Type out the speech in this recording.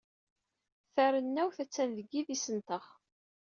Tarennawt attan deg yidis-nteɣ.